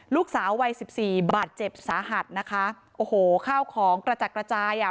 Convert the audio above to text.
ลูกสาววัยสิบสี่บาดเจ็บสาหัสนะคะโอ้โหข้าวของกระจัดกระจายอ่ะ